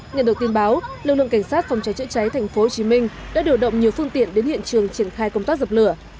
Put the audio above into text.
nhận được tin báo lực lượng cảnh sát phòng cháy chữa cháy tp hcm đã điều động nhiều phương tiện đến hiện trường triển khai công tác dập lửa